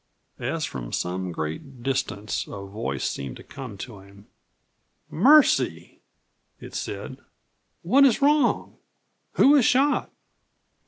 As from some great distance a voice seemed to come to him. "Mercy!" it said. "What is wrong? Who is shot?"